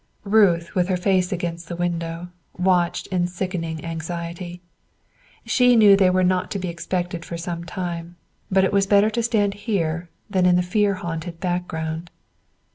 Ruth, with her face against the window, watched in sickening anxiety. She knew they were not to be expected for some time, but it was better to stand here than in the fear haunted background.